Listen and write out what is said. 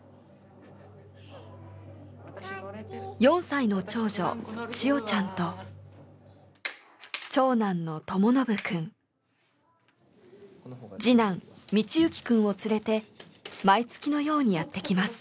４歳の長女千与ちゃんと長男の智信くん次男道幸くんを連れて毎月のようにやってきます。